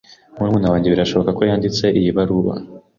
Murumuna wanjye birashoboka ko yanditse iyi baruwa.